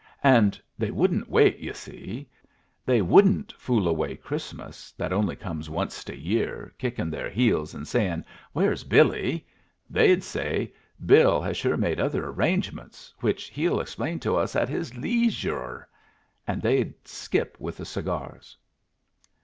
"And they wouldn't wait, yu' see. They wouldn't fool away Christmas, that only comes onced a year, kickin' their heels and sayin' 'Where's Billy?' They'd say, 'Bill has sure made other arrangements, which he'll explain to us at his leesyure.' And they'd skip with the cigars."